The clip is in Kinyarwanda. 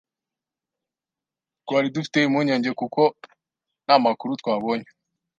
Twari dufite impungenge kuko nta makuru twabonye.